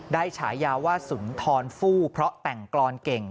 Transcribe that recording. ฉายาว่าสุนทรฟู่เพราะแต่งกรอนเก่ง